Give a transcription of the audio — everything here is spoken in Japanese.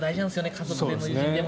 家族でも友人でも。